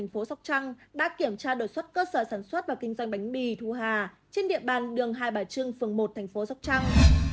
và kinh doanh bánh mì thu hà trên địa bàn đường hai bà trưng phường một tp sóc trăng